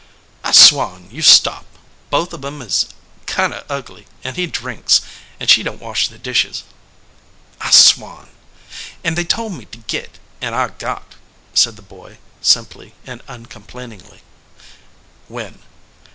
"I swan, you stop!" "Both of em is kind of ugly, and he drinks, and she don t wash the dishes." "I swan!" "And they told me to git and I got," said the boy, simply and uncomplainingly. "When?"